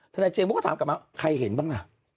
นายเจมส์ก็ถามกลับมาใครเห็นบ้างล่ะ